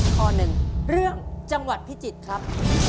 ข้อหนึ่งเรื่องจังหวัดพิจิตรครับ